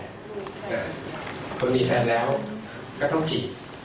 คนนึกมีแฟนแล้วก็ต้องจิต